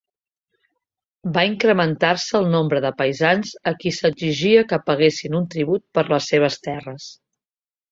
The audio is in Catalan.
Va incrementar-se el nombre de paisans a qui s'exigia que paguessin un tribut per les seves terres.